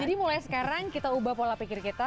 mulai sekarang kita ubah pola pikir kita